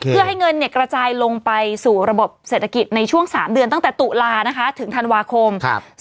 เพื่อให้เงินกระจายลงไปสู่ระบบเศรษฐกิจในช่วง๓เดือนตั้งแต่ตุลานะคะถึงธันวาคม๒๕๖